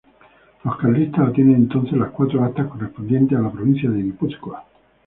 Los carlistas obtienen entonces las cuatro actas correspondientes a la provincia de Guipúzcoa.